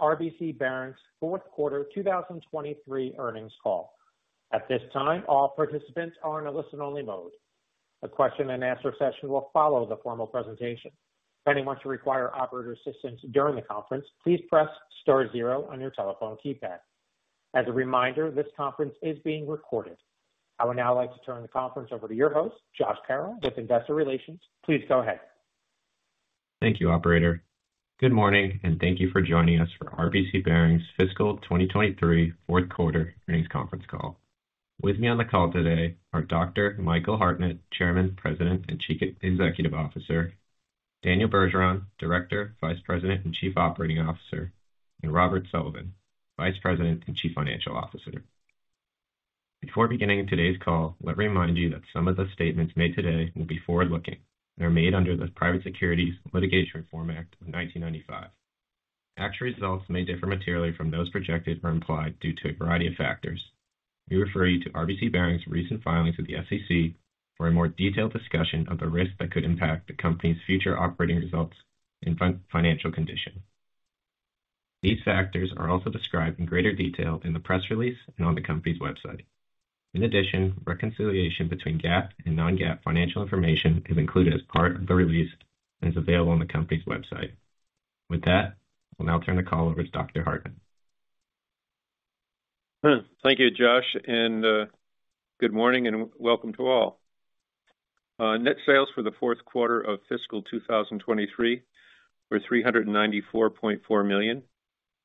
RBC Bearings Q4 2023 Earnings Call. At this time, all participants are in a listen-only mode. A question and answer session will follow the formal presentation. If anyone should require operator assistance during the conference, please press star 0 on your telephone keypad. As a reminder, this conference is being recorded. I would now like to turn the conference over to your host, Josh Carroll with Investor Relations. Please go ahead. Thank you, operator. Good morning. Thank you for joining us for RBC Bearings Fiscal 2023 Q4 Earnings Conference all. With me on the call today are Dr. Michael Hartnett, Chairman, President, and Chief Executive Officer, Daniel Bergeron, Director, Vice President and Chief Operating Officer, and Robert Sullivan, Vice President and Chief Financial Officer. Before beginning today's call, let me remind you that some of the statements made today will be forward-looking and are made under the Private Securities Litigation Reform Act of 1995. Actual results may differ materially from those projected or implied due to a variety of factors. We refer you to RBC Bearings' recent filings with the SEC for a more detailed discussion of the risks that could impact the company's future operating results and financial condition. These factors are also described in greater detail in the press release and on the company's website. In addition, reconciliation between GAAP and non-GAAP financial information is included as part of the release and is available on the company's website. With that, I'll now turn the call over to Dr. Hartnett. Thank you, Josh, good morning and welcome to all. Net sales for the Q4 of fiscal 2023 were $394.4 million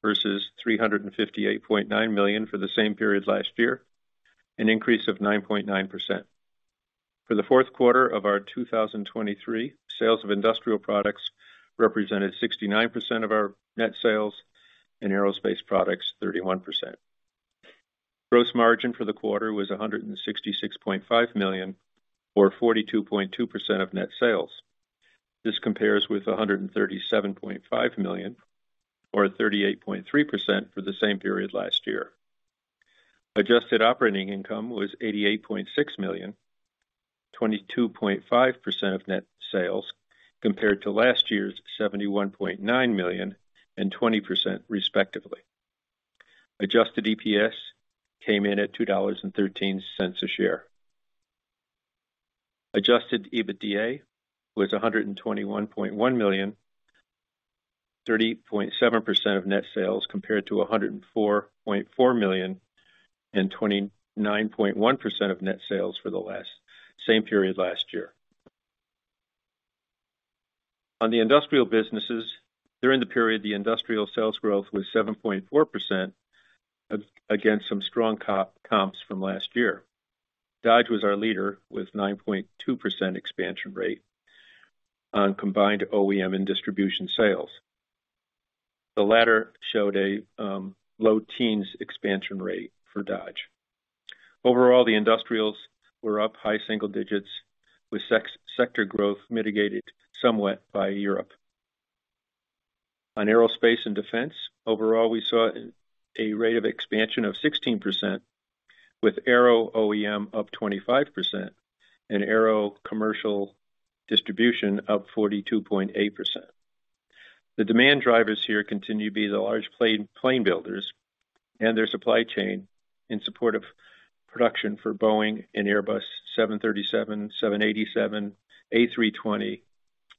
versus $358.9 million for the same period last year, an increase of 9.9%. For the Q4 of our 2023, sales of industrial products represented 69% of our net sales, and aerospace products 31%. Gross margin for the quarter was $166.5 million, or 42.2% of net sales. This compares with $137.5 million, or 38.3% for the same period last year. Adjusted operating income was $88.6 million, 22.5% of net sales, compared to last year's $71.9 million and 20% respectively. Adjusted EPS came in at $2.13 a share. Adjusted EBITDA was $121.1 million, 30.7% of net sales, compared to $104.4 million and 29.1% of net sales for the same period last year. On the industrial businesses, during the period, the industrial sales growth was 7.4% against some strong comps from last year. Dodge was our leader with 9.2% expansion rate on combined OEM and distribution sales. The latter showed a low teens expansion rate for Dodge. Overall, the industrials were up high single digits, with sector growth mitigated somewhat by Europe. On aerospace and defense, overall, we saw a rate of expansion of 16%, with aero OEM up 25% and aero commercial distribution up 42.8%. The demand drivers here continue to be the large plane builders and their supply chain in support of production for Boeing and Airbus 737, 787, A320,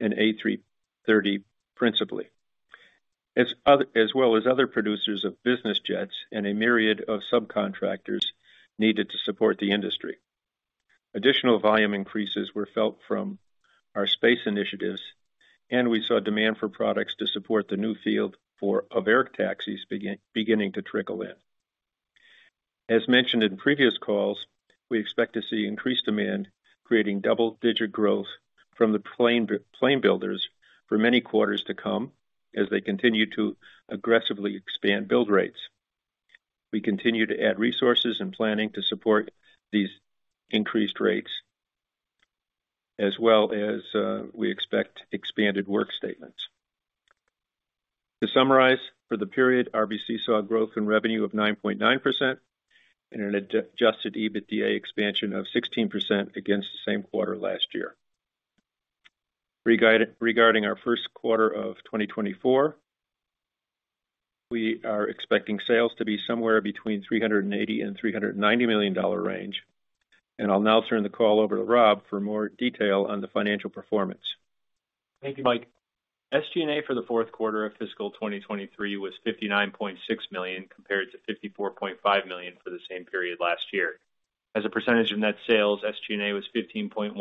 and A330 principally, as other, as well as other producers of business jets and a myriad of subcontractors needed to support the industry. Additional volume increases were felt from our space initiatives, and we saw demand for products to support the new field for eVTOL taxis beginning to trickle in. As mentioned in previous calls, we expect to see increased demand creating double-digit growth from the plane builders for many quarters to come as they continue to aggressively expand build rates. We continue to add resources and planning to support these increased rates as well as, we expect expanded work statements. To summarize, for the period, RBC saw growth in revenue of 9.9% and an Adjusted EBITDA expansion of 16% against the same quarter last year. Regarding our Q1 of 2024, we are expecting sales to be somewhere between $380 million and $390 million range. I'll now turn the call over to Rob for more detail on the financial performance. Thank you, Mike. SG&A for the Q4 of fiscal 2023 was $59.6 million, compared to $54.5 million for the same period last year. As a percentage of net sales, SG&A was 15.1%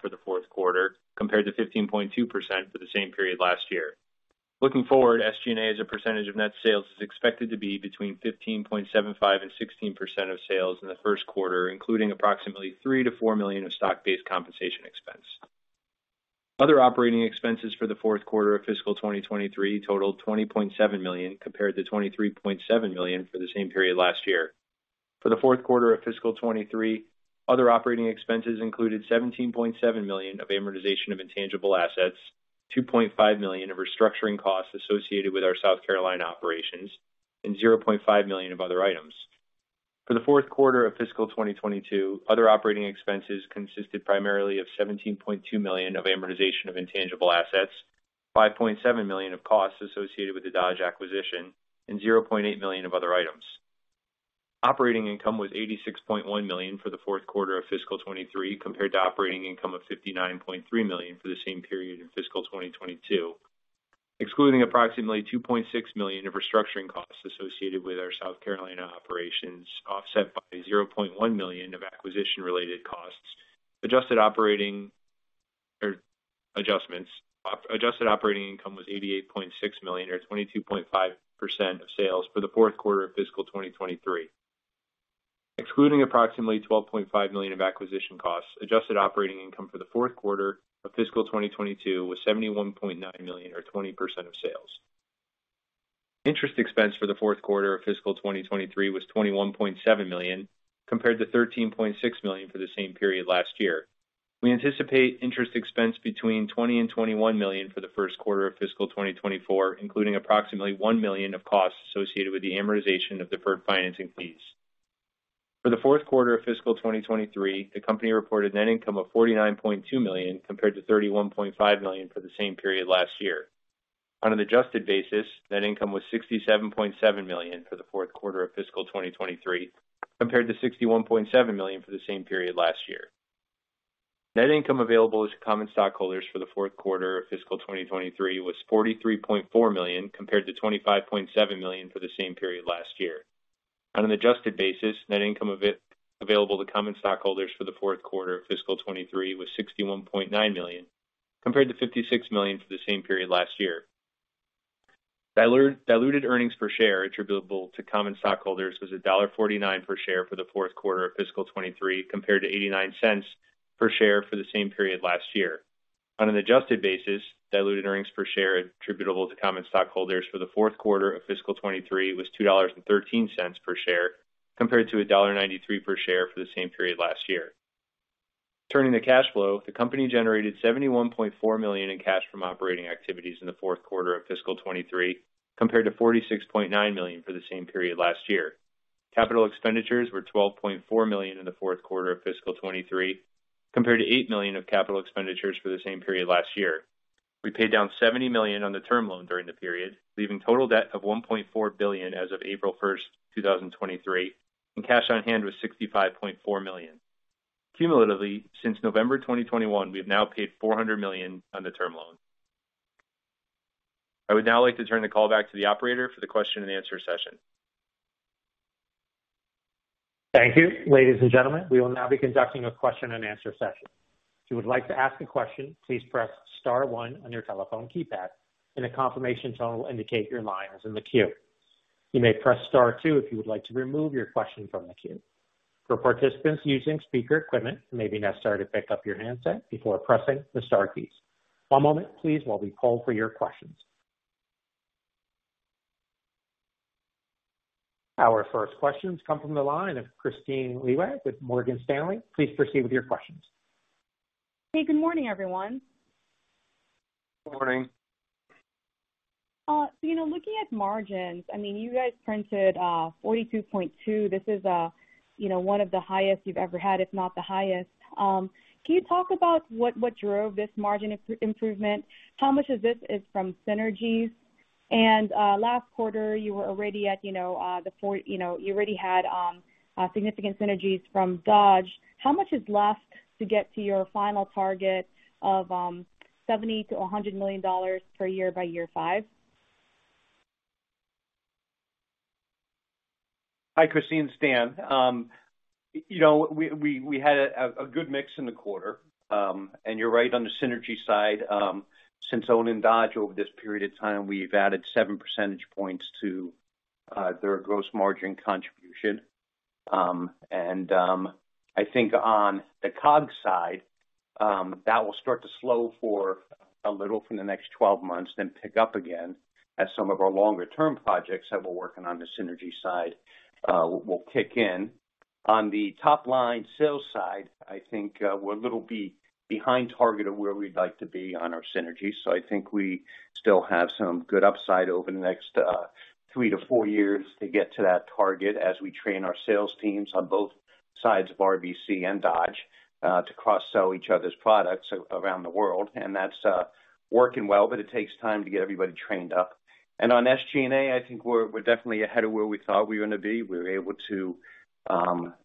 for the Q4, compared to 15.2% for the same period last year. Looking forward, SG&A as a percentage of net sales is expected to be between 15.75% and 16% of sales in the Q1, including approximately $3 million-$4 million of stock-based compensation expense. Other operating expenses for the Q4 of fiscal 2023 totaled $20.7 million, compared to $23.7 million for the same period last year. For the Q4 of fiscal 23, other operating expenses included $17.7 million of amortization of intangible assets, $2.5 million of restructuring costs associated with our South Carolina operations, and $0.5 million of other items. For the Q4 of fiscal 2022, other operating expenses consisted primarily of $17.2 million of amortization of intangible assets, $5.7 million of costs associated with the Dodge acquisition, and $0.8 million of other items. Operating income was $86.1 million for the Q4 of fiscal 23, compared to operating income of $59.3 million for the same period in fiscal 2022. Excluding approximately $2.6 million of restructuring costs associated with our South Carolina operations, offset by $0.1 million of acquisition related costs. Adjustments. Adjusted operating income was $88.6 million or 22.5% of sales for the Q4 of fiscal 2023. Excluding approximately $12.5 million of acquisition costs, adjusted operating income for the Q4 of fiscal 2022 was $71.9 million or 20% of sales. Interest expense for the Q4 of fiscal 2023 was $21.7 million, compared to $13.6 million for the same period last year. We anticipate interest expense between $20 million and $21 million for the Q1 of fiscal 2024, including approximately $1 million of costs associated with the amortization of deferred financing fees. For the Q4 of fiscal 2023, the company reported net income of $49.2 million, compared to $31.5 million for the same period last year. On an adjusted basis, net income was $67.7 million for the Q4 of fiscal 2023, compared to $61.7 million for the same period last year. Net income available to common stockholders for the Q4 of fiscal 2023 was $43.4 million compared to $25.7 million for the same period last year. On an adjusted basis, net income available to common stockholders for the Q4 of fiscal 2023 was $61.9 million, compared to $56 million for the same period last year. Diluted earnings per share attributable to common stockholders was $1.49 per share for the Q4 of fiscal 2023, compared to $0.89 per share for the same period last year. On an adjusted basis, diluted earnings per share attributable to common stockholders for the Q4 of fiscal 2023 was $2.13 per share, compared to $1.93 per share for the same period last year. Turning to cash flow, the company generated $71.4 million in cash from operating activities in the Q4 of fiscal 2023, compared to $46.9 million for the same period last year. Capital expenditures were $12.4 million in the Q4 of fiscal 2023, compared to $8 million of capital expenditures for the same period last year. We paid down $70 million on the term loan during the period, leaving total debt of $1.4 billion as of April 1st, 2023, and cash on hand was $65.4 million. Cumulatively, since November 2021, we have now paid $400 million on the term loan. I would now like to turn the call back to the operator for the question and answer session. Thank you. Ladies and gentlemen, we will now be conducting a question and answer session. If you would like to ask a question, please press star one on your telephone keypad, and a confirmation tone will indicate your line is in the queue. You may press star two if you would like to remove your question from the queue. For participants using speaker equipment, it may be necessary to pick up your handset before pressing the star keys. One moment please, while we poll for your questions. Our first questions come from the line of Kristine Liwag with Morgan Stanley. Please proceed with your questions. Hey, good morning, everyone. Morning. You know, looking at margins, I mean, you guys printed 42.2%. This is, you know, one of the highest you've ever had, if not the highest. Can you talk about what drove this margin improvement? How much of this is from synergies? Last quarter you were already at, you know, you already had significant synergies from Dodge. How much is left to get to your final target of $70 million-$100 million per year by year five? Hi, Kristine, Dan. You know, we had a good mix in the quarter. You're right on the synergy side. Since owning Dodge over this period of time, we've added 7 percentage points to their gross margin contribution. I think on the COGS side, that will start to slow for a little from the next 12 months, then pick up again as some of our longer-term projects that we're working on the synergy side, will kick in. On the top line sales side, I think, we're a little behind target of where we'd like to be on our synergies. I think we still have some good upside over the next three to four years to get to that target as we train our sales teams on both sides of RBC and Dodge to cross-sell each other's products around the world. That's working well, but it takes time to get everybody trained up. On SG&A, I think we're definitely ahead of where we thought we were gonna be. We were able to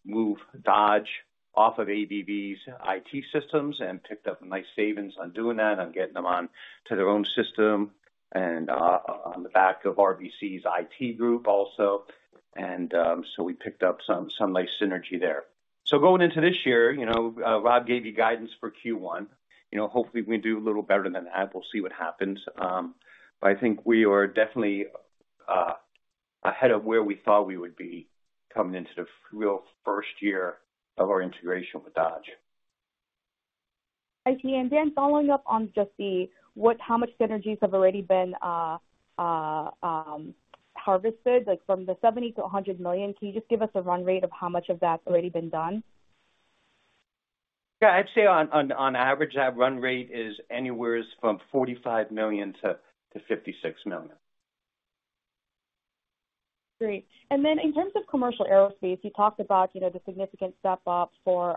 move Dodge off of ABB's IT systems and picked up a nice savings on doing that, on getting them onto their own system and on the back of RBC's IT group also. We picked up some nice synergy there. Going into this year, you know, Rob gave you guidance for Q1. You know, hopefully we do a little better than that. We'll see what happens. I think we are definitely ahead of where we thought we would be coming into the real first year of our integration with Dodge. I see. Following up on how much synergies have already been harvested, like from the $70 million-$100 million, can you just give us a run rate of how much of that's already been done? Yeah, I'd say on average, our run rate is anywhere from $45 million-$56 million. Great. In terms of commercial aerospace, you talked about, you know, the significant step up for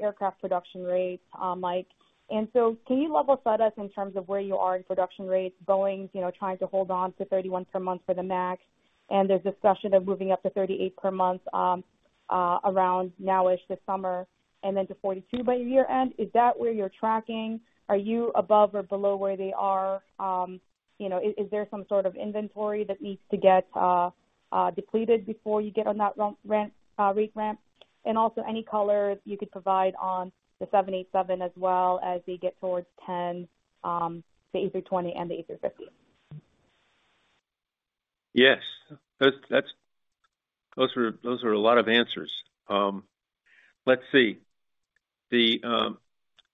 aircraft production rates, Mike. Can you level set us in terms of where you are in production rates? Boeing's, you know, trying to hold on to 31 per month for the MAX, and there's a discussion of moving up to 38 per month around now-ish this summer and then to 42 by year-end. Is that where you're tracking? Are you above or below where they are? You know, is there some sort of inventory that needs to get depleted before you get on that run rate ramp? Also any color you could provide on the 787 as well as we get towards 10, the A320 and the A350. Yes. Those are a lot of answers. let's see. The,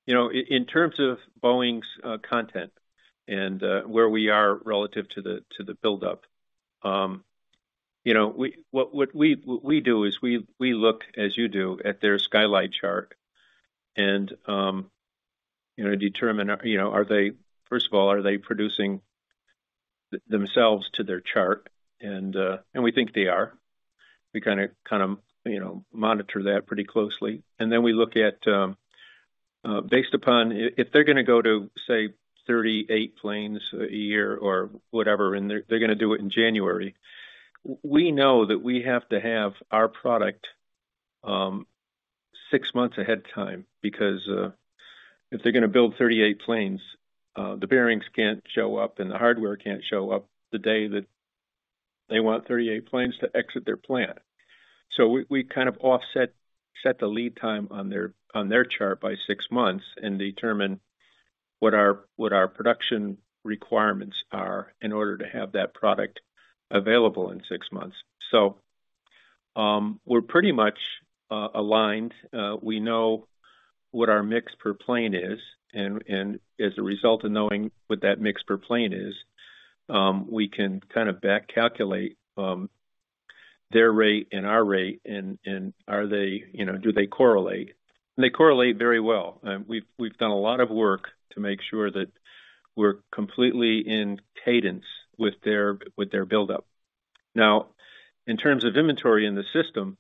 you know, in terms of Boeing's content and where we are relative to the, to the buildup, you know, What we do is we look, as you do, at their skyline chart and, you know, determine, you know, are they First of all, are they producing themselves to their chart? We think they are. We kinda, you know, monitor that pretty closely. We look at, based upon if they're gonna go to, say, 38 planes a year or whatever, and they're gonna do it in January, we know that we have to have our product, 6 months ahead time. If they're gonna build 38 planes, the bearings can't show up and the hardware can't show up the day that they want 38 planes to exit their plant. We kind of offset the lead time on their chart by 6 months and determine what our production requirements are in order to have that product available in 6 months. We're pretty much aligned. We know what our mix per plane is, and as a result of knowing what that mix per plane is, we can kind of back calculate their rate and our rate, and are they, you know, do they correlate? They correlate very well. We've done a lot of work to make sure that we're completely in cadence with their buildup. In terms of inventory in the system,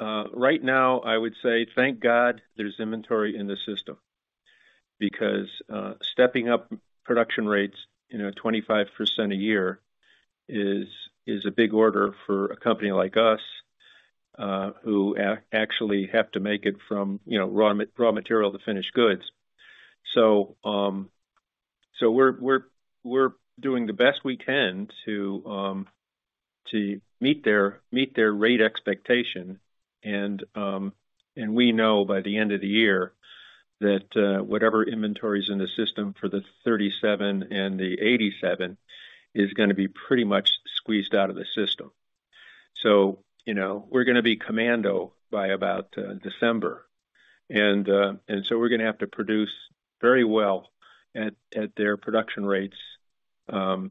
right now, I would say thank God there's inventory in the system. Because stepping up production rates, you know, 25% a year is a big order for a company like us, who actually have to make it from, you know, raw material to finished goods. We're doing the best we can to meet their rate expectation. We know by the end of the year that whatever inventory is in the system for the 737 and the 787 is gonna be pretty much squeezed out of the system. You know, we're gonna be commando by about December. We're gonna have to produce very well at their production rates December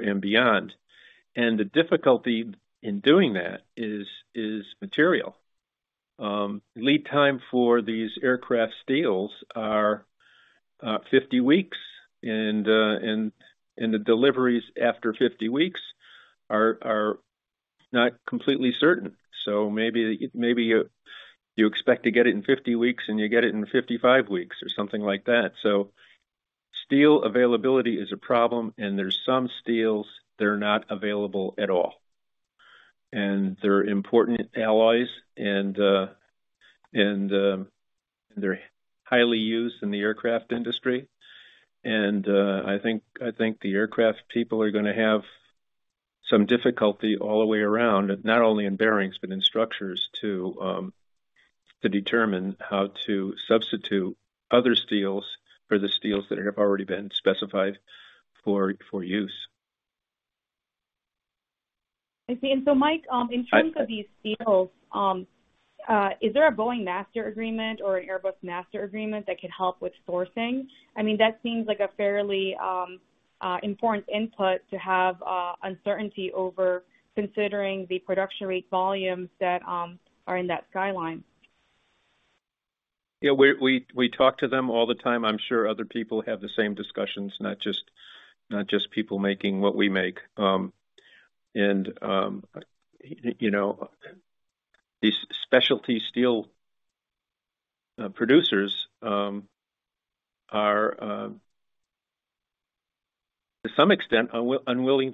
and beyond. The difficulty in doing that is material. Lead time for these aircraft steels are 50 weeks, and the deliveries after 50 weeks are not completely certain. Maybe you expect to get it in 50 weeks, and you get it in 55 weeks or something like that. Steel availability is a problem, and there's some steels that are not available at all. They're important alloys and they're highly used in the aircraft industry. I think the aircraft people are gonna have some difficulty all the way around, not only in bearings but in structures to determine how to substitute other steels for the steels that have already been specified for use. I see. Mike, in terms of these steels, is there a Boeing master agreement or an Airbus master agreement that can help with sourcing? I mean, that seems like a fairly important input to have uncertainty over considering the production rate volumes that are in that skyline. Yeah, we talk to them all the time. I'm sure other people have the same discussions, not just people making what we make. And, you know, these specialty steel producers are to some extent unwilling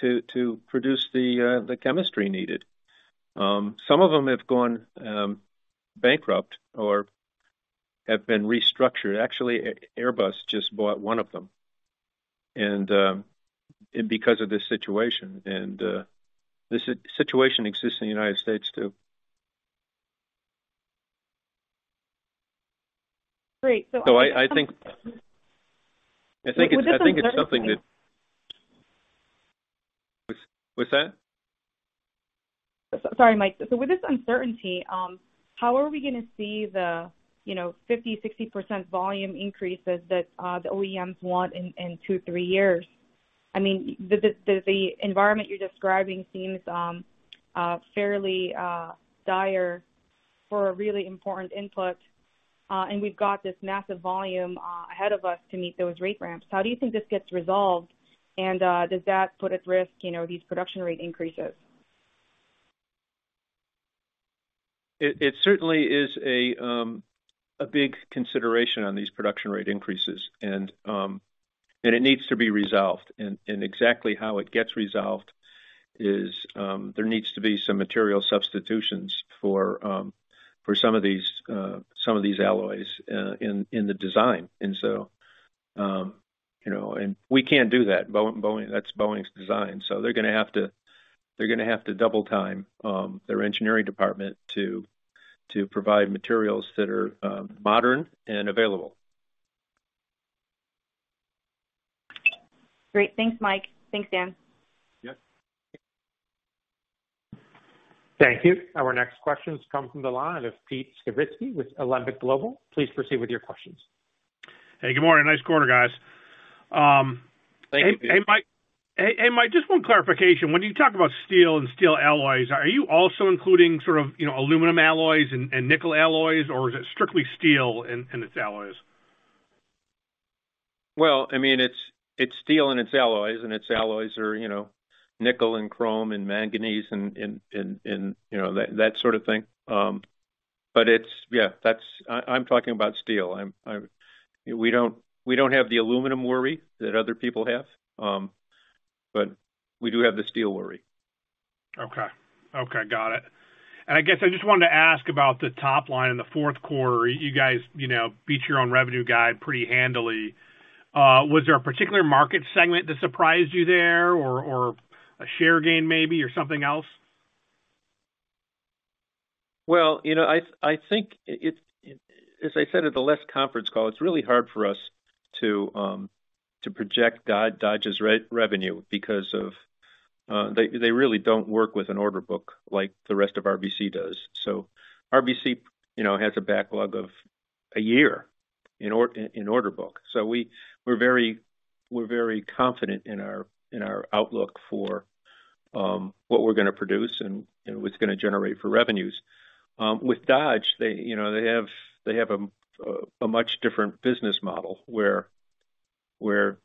to produce the chemistry needed. Some of them have gone bankrupt or have been restructured. Actually, Airbus just bought one of them, and because of this situation. This situation exists in the United States too. Great. I think- With this uncertainty. I think it's something that... What's that? Sorry, Mike. With this uncertainty, how are we gonna see the, you know, 50%, 60% volume increases that the OEMs want in 2, 3 years? I mean, the environment you're describing seems fairly dire for a really important input, and we've got this massive volume ahead of us to meet those rate ramps. How do you think this gets resolved? Does that put at risk, you know, these production rate increases? It certainly is a big consideration on these production rate increases. It needs to be resolved. Exactly how it gets resolved is, there needs to be some material substitutions for some of these alloys, in the design. So, you know. We can't do that. That's Boeing's design. So they're gonna have to double-time, their engineering department to provide materials that are modern and available. Great. Thanks, Mike. Thanks, Dan. Yep. Thank you. Our next question comes from the line of Pete Skibitsky with Alembic Global. Please proceed with your questions. Hey, good morning. Nice quarter, guys. Thank you. Hey, hey Mike, just one clarification. When you talk about steel and steel alloys, are you also including sort of, you know, aluminum alloys and nickel alloys, or is it strictly steel and its alloys? Well, I mean, it's steel and its alloys, and its alloys are, you know, nickel and chrome and manganese and, you know, that sort of thing. I'm talking about steel. I'm We don't have the aluminum worry that other people have. We do have the steel worry. Okay, got it. I guess I just wanted to ask about the top line in the Q4. You guys, you know, beat your own revenue guide pretty handily. Was there a particular market segment that surprised you there or a share gain maybe, or something else? Well, you know, I think it as I said at the last conference call, it's really hard for us to project Dodge's revenue because of they really don't work with an order book like the rest of RBC does. RBC, you know, has a backlog of a year in order book. We, we're very, we're very confident in our, in our outlook for what we're gonna produce and what it's gonna generate for revenues. With Dodge, they, you know, they have, they have a much different business model where,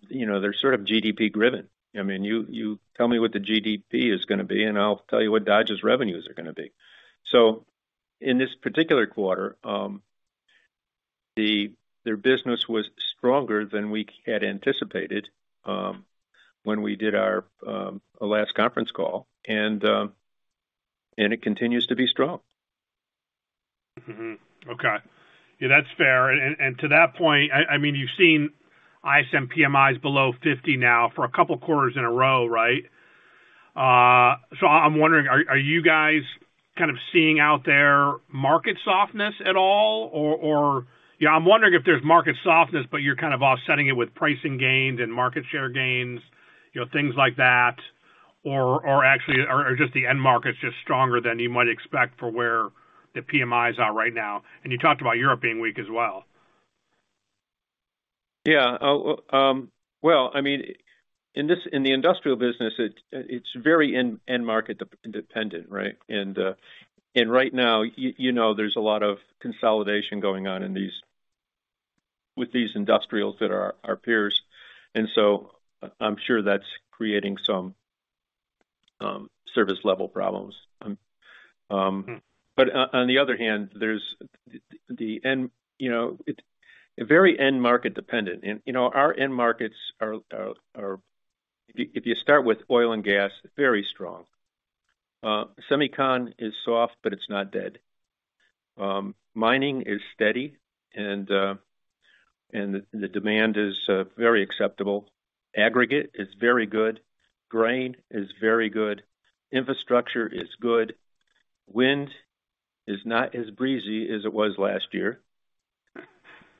you know, they're sort of GDP-driven. I mean, you tell me what the GDP is gonna be, and I'll tell you what Dodge's revenues are gonna be. In this particular quarter, their business was stronger than we had anticipated when we did our last conference call. And it continues to be strong. Mm-hmm. Okay. Yeah, that's fair. And to that point, I mean, you've seen ISM PMIs below 50 now for a couple quarters in a row, right? I'm wondering, are you guys kind of seeing out there market softness at all? Or, you know, I'm wondering if there's market softness, but you're kind of offsetting it with pricing gains and market share gains, you know, things like that. Or actually, or just the end markets just stronger than you might expect for where the PMIs are right now. You talked about Europe being weak as well. Yeah. Well, I mean, in the industrial business, it's very end market de-dependent, right? Right now, you know, there's a lot of consolidation going on with these industrials that are our peers, so I'm sure that's creating some service level problems. On the other hand, there's the end, you know, very end market dependent. You know, our end markets are... If you start with oil and gas, very strong. Semicon is soft, but it's not dead. Mining is steady, the demand is very acceptable. Aggregate is very good. Grain is very good. Infrastructure is good. Wind is not as breezy as it was last year.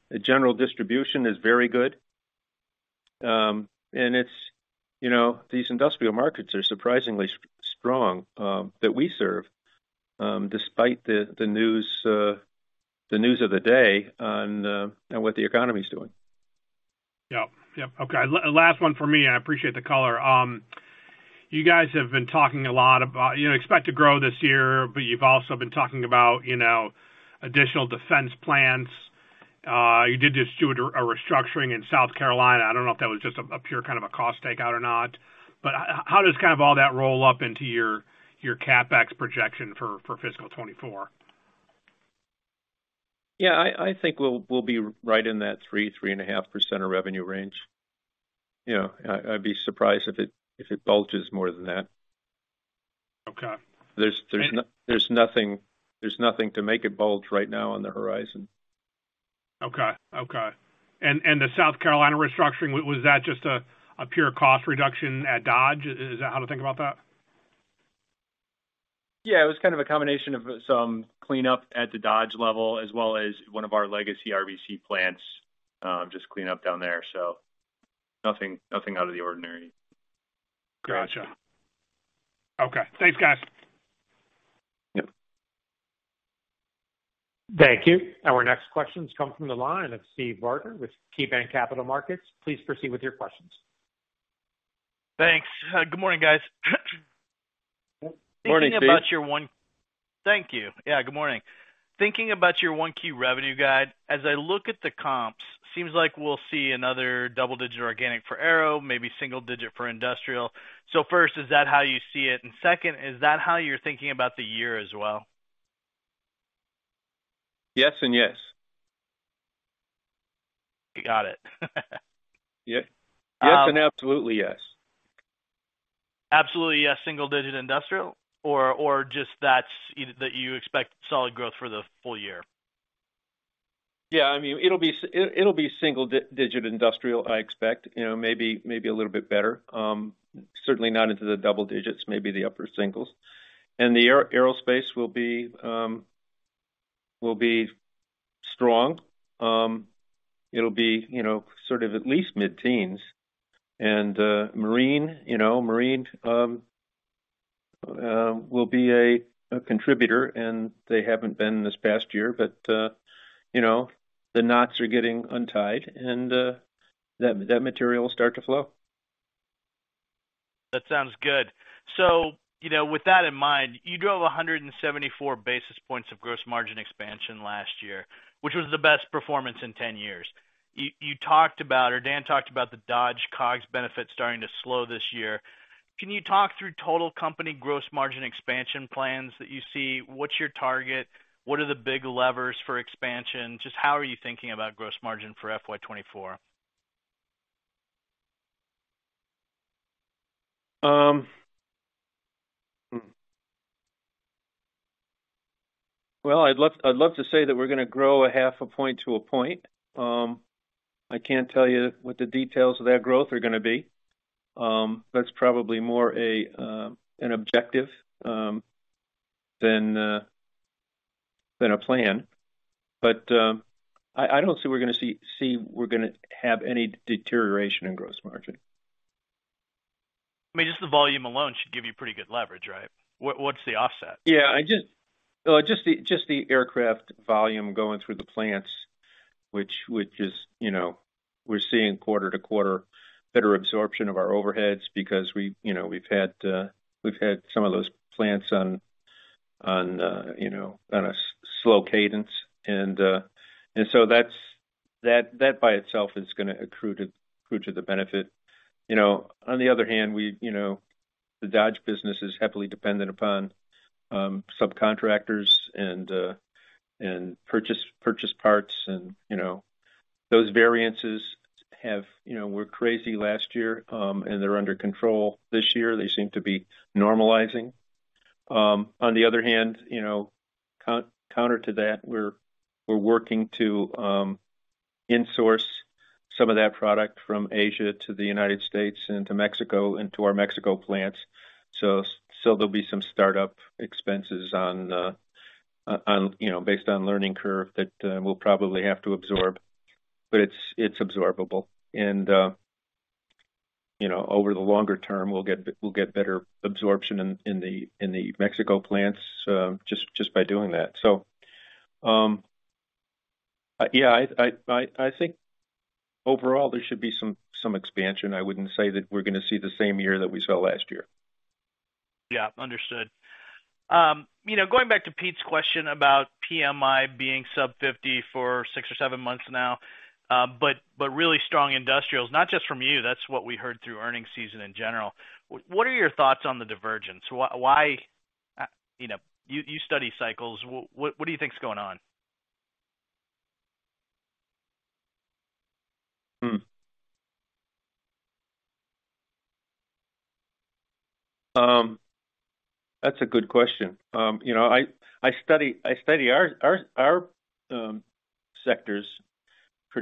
The general distribution is very good. It's, you know, these industrial markets are surprisingly strong, that we serve, despite the news, the news of the day on what the economy is doing. Yep. Yep. Okay. Last one for me. I appreciate the color. You guys have been talking a lot about, you know, expect to grow this year, but you've also been talking about, you know, additional defense plans. You did this steward restructuring in South Carolina. I don't know if that was just a pure kind of a cost takeout or not. How does kind of all that roll up into your CapEx projection for fiscal 2024? Yeah. I think we'll be right in that 3%-3.5% of revenue range. You know, I'd be surprised if it bulges more than that. Okay. There's nothing to make it bulge right now on the horizon. Okay. Okay. The South Carolina restructuring, was that just a pure cost reduction at Dodge? Is that how to think about that? Yeah. It was kind of a combination of some cleanup at the Dodge level as well as one of our legacy RBC plants, just clean up down there. Nothing, nothing out of the ordinary. Gotcha. Okay. Thanks, guys. Yep. Thank you. Our next question comes from the line of Steve Barger with KeyBanc Capital Markets. Please proceed with your questions. Thanks. Good morning, guys. Morning, Steve. Thank you. Yeah, good morning. Thinking about your 1Q revenue guide, as I look at the comps, seems like we'll see another double-digit organic for aero, maybe single-digit for industrial. First, is that how you see it? Second, is that how you're thinking about the year as well? Yes and yes. Got it. Yep. Yes, and absolutely yes. Absolutely, a single digit industrial or just that's that you expect solid growth for the full year? Yeah. I mean, it'll be single digit industrial, I expect, you know, maybe a little bit better. Certainly not into the double digits, maybe the upper singles. The aerospace will be strong. It'll be, you know, sort of at least mid-teens. Marine, you know, marine will be a contributor, and they haven't been this past year, but, you know, the knots are getting untied and that material will start to flow. That sounds good. You know, with that in mind, you drove 174 basis points of gross margin expansion last year, which was the best performance in 10 years. You talked about, or Dan talked about the Dodge COGS benefit starting to slow this year. Can you talk through total company gross margin expansion plans that you see? What's your target? What are the big levers for expansion? Just how are you thinking about gross margin for FY 2024? Well, I'd love to say that we're gonna grow 0.5 points to 1 point. I can't tell you what the details of that growth are gonna be. That's probably more a an objective than a plan. I don't see we're gonna have any deterioration in gross margin. I mean, just the volume alone should give you pretty good leverage, right? What's the offset? Yeah. Just the aircraft volume going through the plants, which is, you know, we're seeing quarter-to-quarter better absorption of our overheads because we've had some of those plants on a slow cadence. That by itself is gonna accrue to the benefit. You know, on the other hand, we, the Dodge business is heavily dependent upon subcontractors and purchase parts and, you know. Those variances have were crazy last year, they're under control this year. They seem to be normalizing. On the other hand, you know, counter to that, we're working to insource some of that product from Asia to the United States and to Mexico, and to our Mexico plants. There'll be some start-up expenses on, you know, based on learning curve that we'll probably have to absorb. It's absorbable. You know, over the longer term, we'll get better absorption in the Mexico plants just by doing that. Yeah, I think overall there should be some expansion. I wouldn't say that we're gonna see the same year that we saw last year. Yeah, understood. You know, going back to Pete's question about PMI being sub 50 for 6 or 7 months now, but really strong industrials, not just from you, that's what we heard through earnings season in general. What are your thoughts on the divergence? Why, you know. You study cycles. What do you think is going on? That's a good question. You know, I study our sectors pretty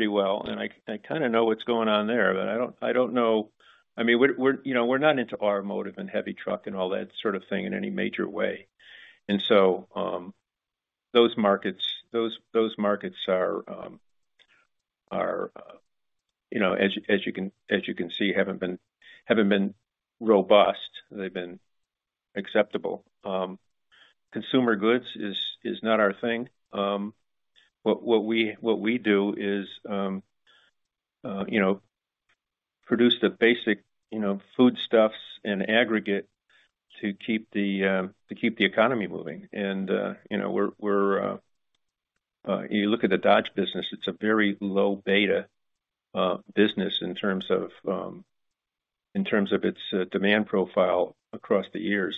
well, and I kinda know what's going on there, but I don't, I don't know... I mean, we're, you know, we're not into our motive in heavy truck and all that sort of thing in any major way. Those markets are, you know, as you can see, haven't been robust. They've been acceptable. Consumer goods is not our thing. What we do is, you know, produce the basic, you know, food stuffs and aggregate to keep the economy moving. You know, you look at the Dodge business, it's a very low beta, business in terms of, in terms of its, demand profile across the years.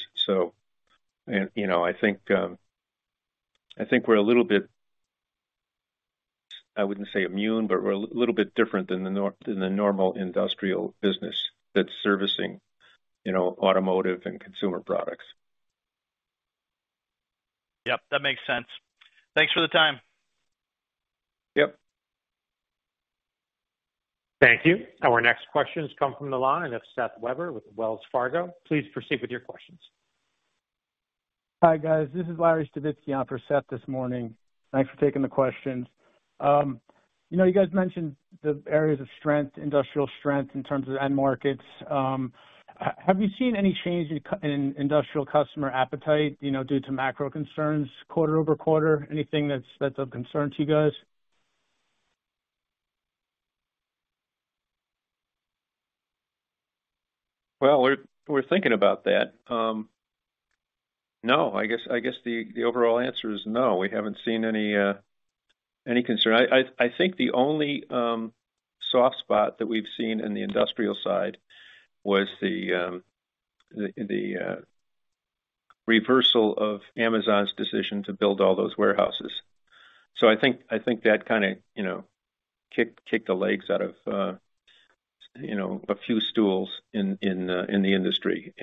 You know, I think we're a little bit, I wouldn't say immune, but we're a little bit different than the normal industrial business that's servicing, you know, automotive and consumer products. Yep, that makes sense. Thanks for the time. Yep. Thank you. Our next question comes from the line of Seth Weber with Wells Fargo. Please proceed with your questions. Hi, guys. This is Larry Stavitski on for Seth this morning. Thanks for taking the questions. You know, you guys mentioned the areas of strength, industrial strength in terms of the end markets. Have you seen any change in industrial customer appetite, you know, due to macro concerns quarter-over-quarter? Anything that's of concern to you guys? Well, we're thinking about that. No, I guess the overall answer is no. We haven't seen any concern. I think the only soft spot that we've seen in the industrial side was the reversal of Amazon's decision to build all those warehouses. I think that kind of, you know, kicked the legs out of, you know, a few stools in the industry.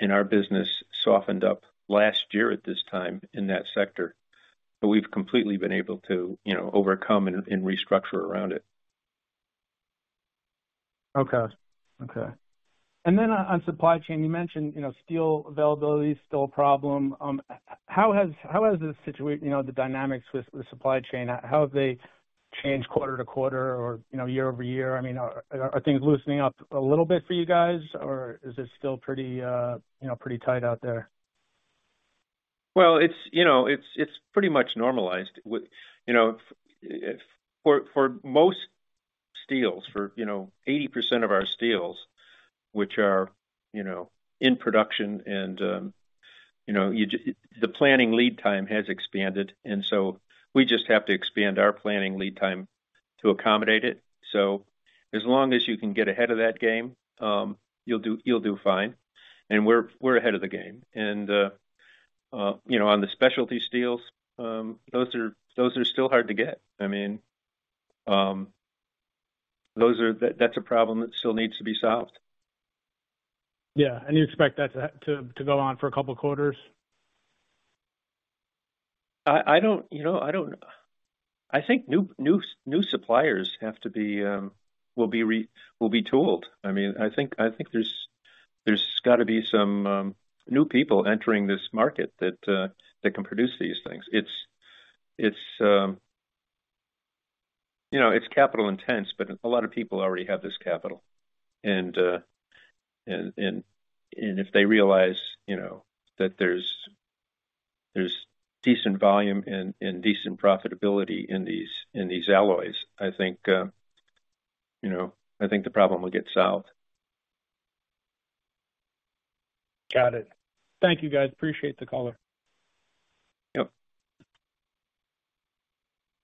Our business softened up last year at this time in that sector. We've completely been able to, you know, overcome and restructure around it. Okay. Then on supply chain, you mentioned, you know, steel availability is still a problem. How has, you know, the dynamics with the supply chain, how have they changed quarter-to-quarter or, you know, year-over-year? I mean, are things loosening up a little bit for you guys or is it still pretty, you know, pretty tight out there? It's, you know, it's pretty much normalized with. For most steels, for, you know, 80% of our steels, which are, you know, in production. The planning lead time has expanded, we just have to expand our planning lead time to accommodate it. As long as you can get ahead of that game, you'll do fine. We're ahead of the game. On the specialty steels, those are still hard to get. I mean, those are. That's a problem that still needs to be solved. Yeah. You expect that to go on for a couple quarters? I don't. You know, I don't. I think new suppliers have to be will be tooled. I mean, I think, I think there's gotta be some new people entering this market that can produce these things. It's, you know, it's capital intense, but a lot of people already have this capital. If they realize, you know, that there's decent volume and decent profitability in these alloys, I think, you know, I think the problem will get solved. Got it. Thank you, guys. Appreciate the call. Yep.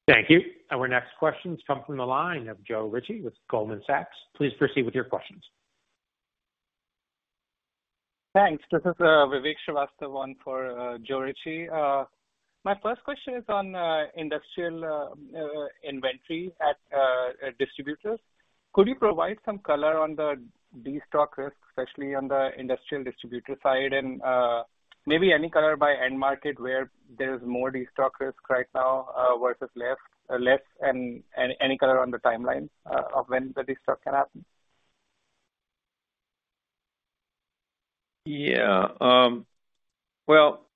Thank you. Our next question comes from the line of Joe Ritchie with Goldman Sachs. Please proceed with your questions. Thanks. This is Vivek Srivastava on for Joe Ritchie. My first question is on industrial inventory at distributors. Could you provide some color on the destock risk, especially on the industrial distributor side? Maybe any color by end market where there's more destock risk right now versus less? Any color on the timeline of when the destock can happen? Yeah. Well,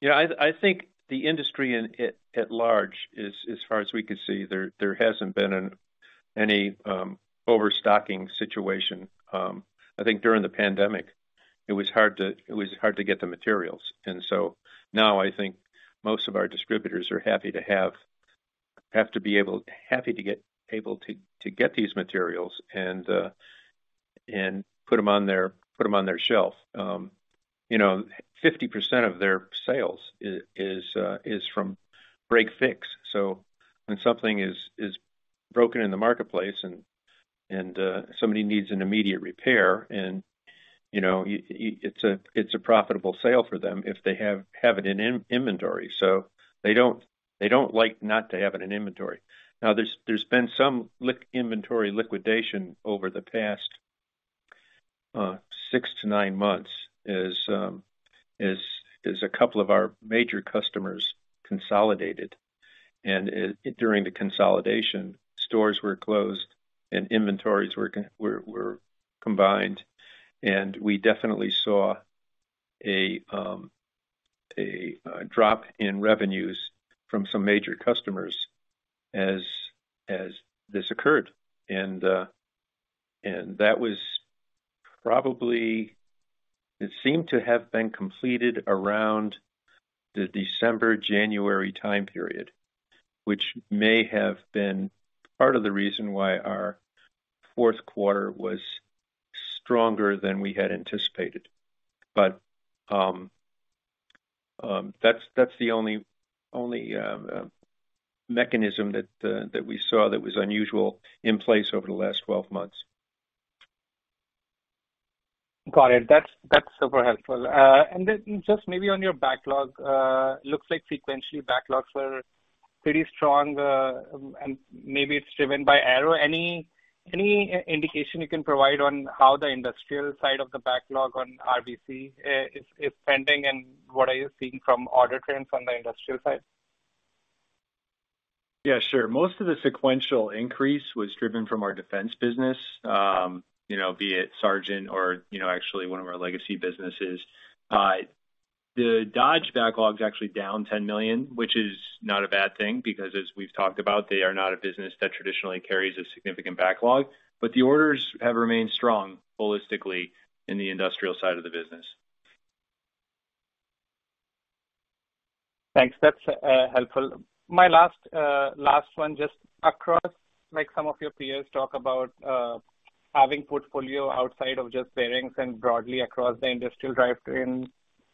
you know, I think the industry at large is, as far as we can see, there hasn't been any overstocking situation. I think during the pandemic it was hard to get the materials. Now I think most of our distributors are happy to be able to get these materials and put them on their shelf. You know, 50% of their sales is from break-fix. When something is broken in the marketplace and somebody needs an immediate repair and, you know, it's a profitable sale for them if they have it in inventory. They don't like not to have it in inventory. There's been some inventory liquidation over the past six to nine months as a couple of our major customers consolidated. During the consolidation, stores were closed and inventories were combined. We definitely saw a drop in revenues from some major customers as this occurred. It seemed to have been completed around the December, January time period, which may have been part of the reason why our Q4 was stronger than we had anticipated. That's the only mechanism that we saw that was unusual in place over the last 12 months. Got it. That's, that's super helpful. Then just maybe on your backlog, looks like sequentially backlogs were pretty strong, and maybe it's driven by Aero. Any indication you can provide on how the industrial side of the backlog on RBC, is trending and what are you seeing from order trends on the industrial side? Yeah, sure. Most of the sequential increase was driven from our defense business, you know, be it Sargent or, you know, actually one of our legacy businesses. The Dodge backlog is actually down $10 million, which is not a bad thing because as we've talked about, they are not a business that traditionally carries a significant backlog. The orders have remained strong holistically in the industrial side of the business. Thanks. That's helpful. My last one just across like some of your peers talk about having portfolio outside of just bearings and broadly across the industrial drivetrain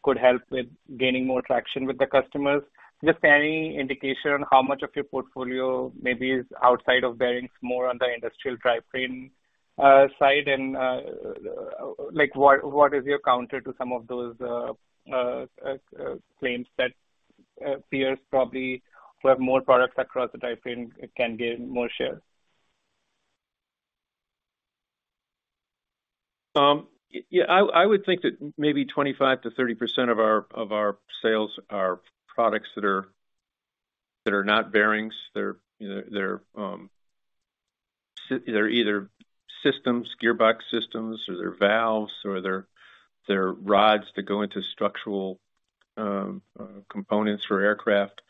could help with gaining more traction with the customers. Just any indication how much of your portfolio maybe is outside of bearings more on the industrial drivetrain side? Like what is your counter to some of those claims that peers probably who have more products across the drivetrain can gain more share? Yeah, I would think that maybe 25%-30% of our sales are products that are not bearings. They're, you know, they're either systems, gearbox systems, or they're valves or they're rods that go into structural components for aircraft.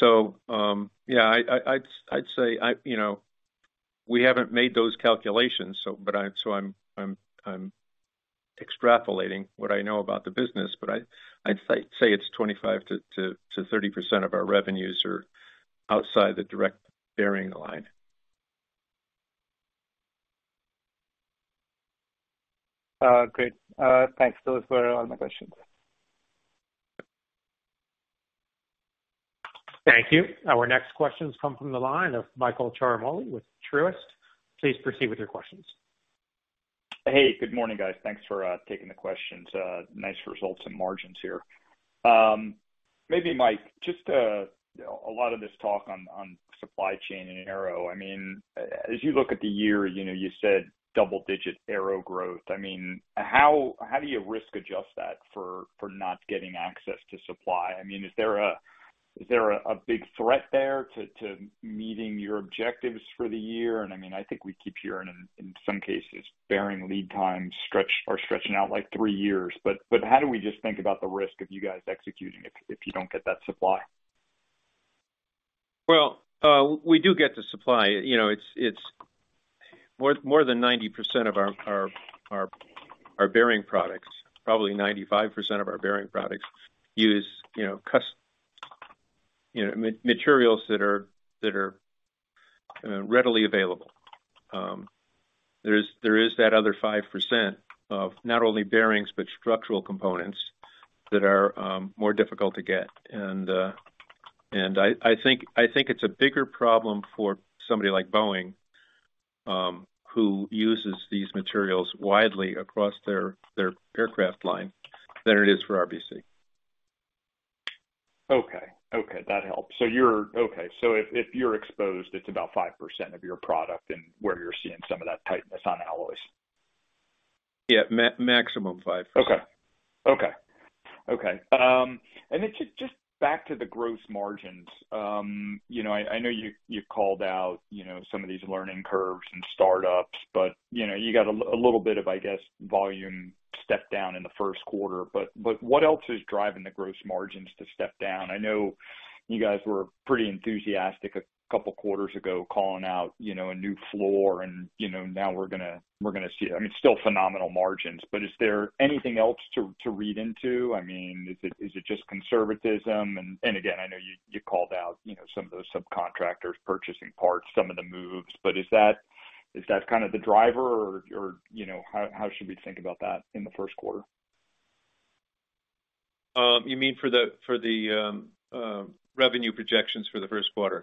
Yeah, I'd say you know, we haven't made those calculations, but I'm extrapolating what I know about the business, but I'd say it's 25%-30% of our revenues are outside the direct bearing line. Great. Thanks. Those were all my questions. Thank you. Our next question comes from the line of Michael Ciarmoli with Truist. Please proceed with your questions. Hey, good morning, guys. Thanks for taking the questions. Nice results and margins here. Maybe Mike, just a lot of this talk on supply chain and aero. I mean, as you look at the year, you know, you said double-digit aero growth. I mean, how do you risk adjust that for not getting access to supply? I mean, is there a big threat there to meeting your objectives for the year? I mean, I think we keep hearing in some cases bearing lead times are stretching out like three years. How do we just think about the risk of you guys executing if you don't get that supply? Well, we do get the supply. You know, it's more than 90% of our bearing products. Probably 95% of our bearing products use, you know, materials that are readily available. There is that other 5% of not only bearings but structural components that are more difficult to get. I think it's a bigger problem for somebody like Boeing, who uses these materials widely across their aircraft line than it is for RBC. Okay. Okay, that helps. If you're exposed, it's about 5% of your product and where you're seeing some of that tightness on alloys? Yeah. maximum 5%. Okay. Then just back to the gross margins. I know you called out, you know, some of these learning curves and startups, but, you know, you got a little bit of, I guess, volume step down in the Q1, but what else is driving the gross margins to step down? I know you guys were pretty enthusiastic a couple quarters ago calling out, you know, a new floor and, you know, now we're gonna see, I mean, still phenomenal margins, but is there anything else to read into? I mean, is it just conservatism? Again, I know you called out, you know, some of those subcontractors purchasing parts, some of the moves. Is that kind of the driver or, you know, how should we think about that in the Q1? You mean for the revenue projections for the Q1?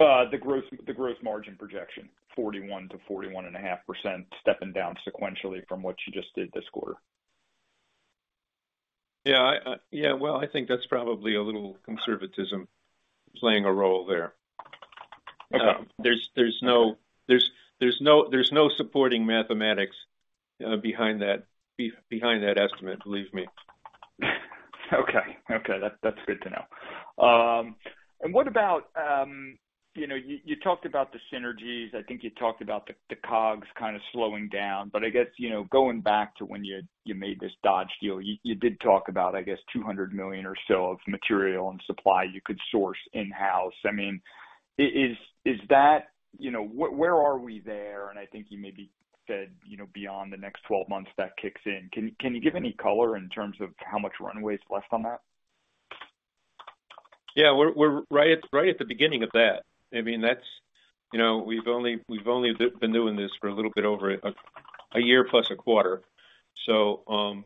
Q1. The growth margin projection 41%-41.5%, stepping down sequentially from what you just did this quarter. Yeah, I, well, I think that's probably a little conservatism playing a role there. Okay. There's no supporting mathematics behind that estimate, believe me. Okay. Okay. That's, that's good to know. What about, you know, you talked about the synergies. I think you talked about the COGS kind of slowing down. I guess, you know, going back to when you made this Dodge deal, you did talk about, I guess, $200 million or so of material and supply you could source in-house. I mean, is that... You know, where are we there? I think you maybe said, you know, beyond the next 12 months that kicks in. Can you give any color in terms of how much runway is left on that? Yeah. We're right at the beginning of that. I mean, that's, you know, we've only been doing this for a little bit over a year plus a quarter.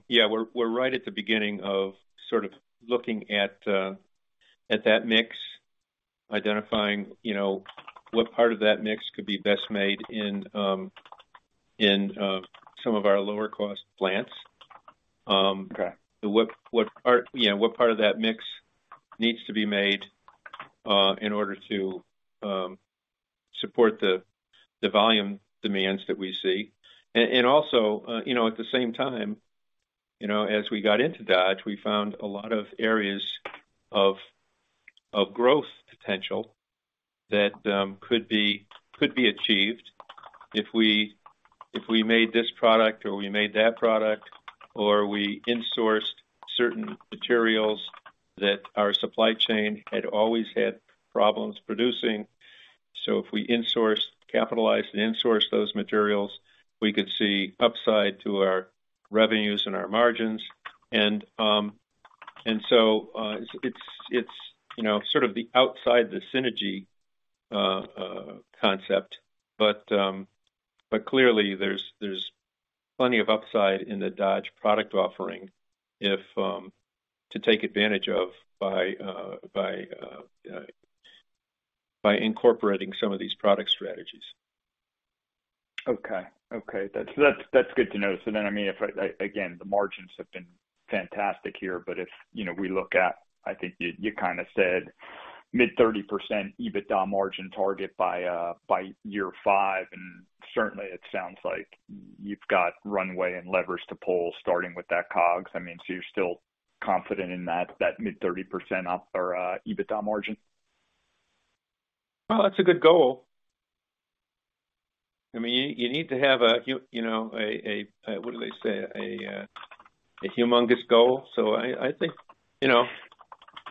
Yeah, we're right at the beginning of sort of looking at that mix, identifying, you know, what part of that mix could be best made in in some of our lower cost plants. Okay. What part, you know, what part of that mix needs to be made in order to Support the volume demands that we see. Also, you know, at the same time, you know, as we got into Dodge, we found a lot of areas of growth potential that could be achieved if we made this product or we made that product or we insourced certain materials that our supply chain had always had problems producing. If we capitalized and insourced those materials, we could see upside to our revenues and our margins. It's, you know, sort of the outside the synergy concept. Clearly there's plenty of upside in the Dodge product offering if to take advantage of by incorporating some of these product strategies. Okay. Okay. That's good to know. I mean, again, the margins have been fantastic here, but if, you know, we look at, I think you kind of said mid 30% EBITDA margin target by year five, and certainly it sounds like you've got runway and levers to pull starting with that COGS. I mean, you're still confident in that mid 30% op or EBITDA margin? Well, that's a good goal. I mean, you need to have a you know, a, what do they say? A, a humongous goal. I think, you know,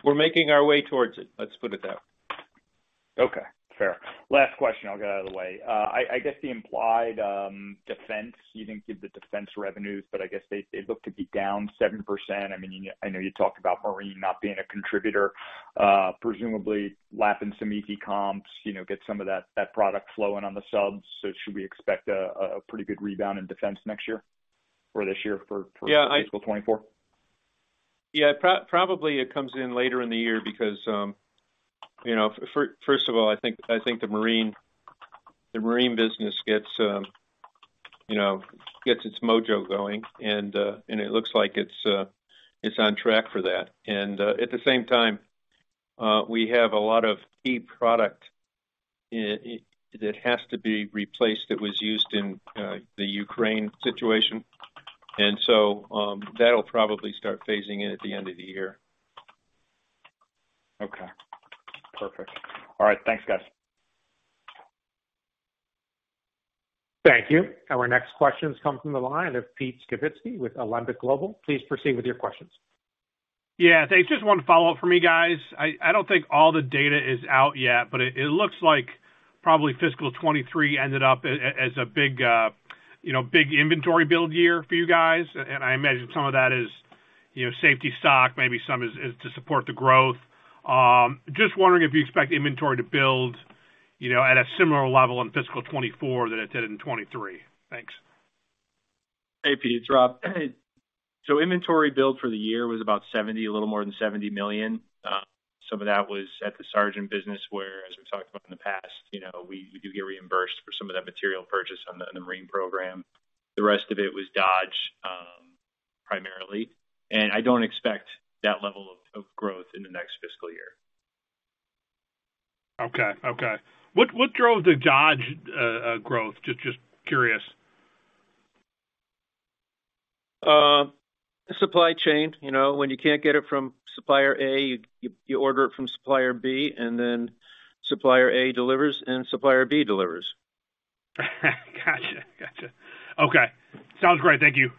we're making our way towards it, let's put it that way. Okay, fair. Last question, I'll get out of the way. I guess the implied defense, you didn't give the defense revenues, but I guess they look to be down 7%. I mean, you know, I know you talked about Marine not being a contributor. Presumably lap and some easy comps, you know, get some of that product flowing on the subs. Should we expect a pretty good rebound in defense next year or this year for. Yeah. fiscal 2024? Yeah, probably it comes in later in the year because, you know, first of all, I think the Marine business gets, you know, gets its mojo going and it looks like it's on track for that. At the same time, we have a lot of key product that has to be replaced, that was used in the Ukraine situation. That'll probably start phasing in at the end of the year. Okay, perfect. All right. Thanks, guys. Thank you. Our next question comes from the line of Pete Skibitsky with Alembic Global. Please proceed with your questions. Yeah, thanks. Just one follow up for me, guys. I don't think all the data is out yet, but it looks like probably fiscal 2023 ended up as a big, you know, big inventory build year for you guys. I imagine some of that is, you know, safety stock, maybe some is to support the growth. Just wondering if you expect inventory to build, you know, at a similar level in fiscal 2024 than it did in 2023. Thanks. Hey, Pete, it's Rob. Inventory build for the year was about $70 million, a little more than $70 million. Some of that was at the Sargent business where, as we've talked about in the past, you know, we do get reimbursed for some of that material purchase on the, on the Marine program. The rest of it was Dodge, primarily. I don't expect that level of growth in the next fiscal year. Okay. Okay. What drove the Dodge growth? Just curious. Supply chain. You know, when you can't get it from supplier A, you order it from supplier B, and then supplier A delivers, and supplier B delivers. Gotcha. Okay, sounds great. Thank you.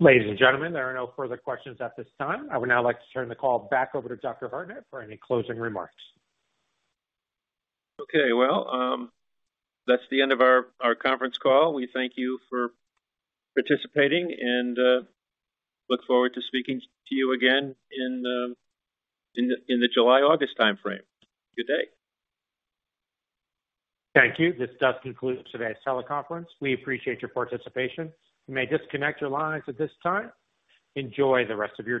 Ladies and gentlemen, there are no further questions at this time. I would now like to turn the call back over to Dr. Hartnett for any closing remarks. Okay. Well, that's the end of our conference call. We thank you for participating and look forward to speaking to you again in the July, August timeframe. Good day. Thank you. This does conclude today's teleconference. We appreciate your participation. You may disconnect your lines at this time. Enjoy the rest of your day.